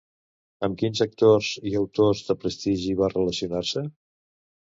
Amb quins actors i autors de prestigi va relacionar-se?